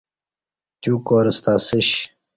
تیو کارستہ اسیش